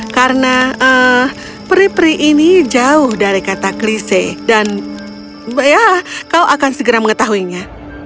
karena peri peri ini jauh dari kata klise dan kau akan segera mengetahuinya